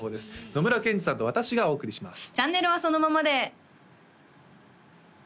野村ケンジさんと私がお送りします